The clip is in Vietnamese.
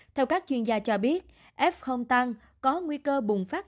theo các chuyên gia cho biết f tăng có nguy cơ bùng phát